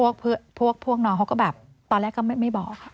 พวกน้องเขาก็แบบตอนแรกก็ไม่บอกค่ะ